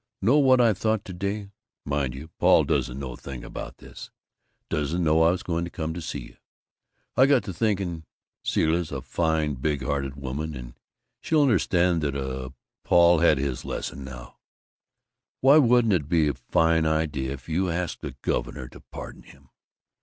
Know what I thought to day? Mind you, Paul doesn't know a thing about this doesn't know I was going to come see you. I got to thinking: Zilla's a fine, big hearted woman, and she'll understand that, uh, Paul's had his lesson now. Why wouldn't it be a fine idea if you asked the governor to pardon him?